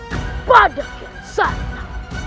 kepada kian santa